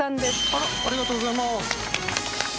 ありがとうございます。